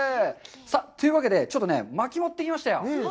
さあ、というわけでちょっと、まき持ってきましたよ。